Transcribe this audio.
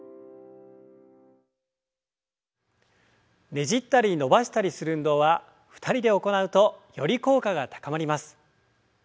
ねじったり伸ばしたりする運動は２人で行うとより効果が高まります。